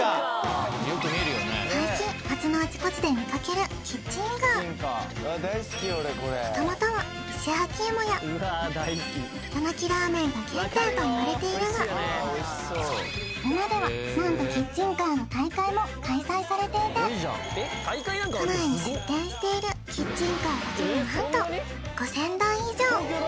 最近街のあちこちで見かけるキッチンカーもともとは石焼き芋や夜鳴きラーメンが原点といわれているが今では何とキッチンカーの大会も開催されていて都内に出店しているキッチンカーだけで何と５０００台以上！